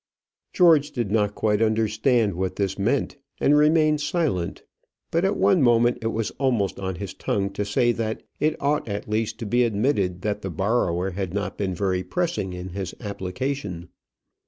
George did not quite understand what this meant, and remained silent; but at one moment it was almost on his tongue to say that it ought at least to be admitted that the borrower had not been very pressing in his application.